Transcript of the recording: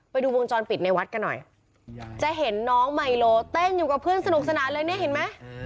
ไปดูวงจรปิดในวัดกันหน่อยจะเห็นน้องไมโลเต้นอยู่กับเพื่อนสนุกสนานเลยเนี่ยเห็นไหม